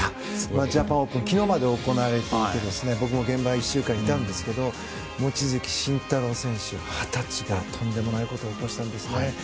ジャパンオープンが昨日まで行われていて僕も現場に１週間いたんですが望月慎太郎選手、二十歳がとんでもないことを起こしたんですね。